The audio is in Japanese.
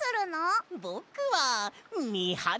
ぼくはみはりさ！